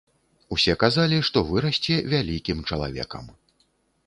Усе казалі, што вырасце вялікім чалавекам.